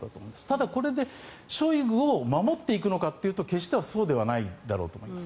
ただ、これでショイグを守っていくのかというと決してそうではないだろうと思います。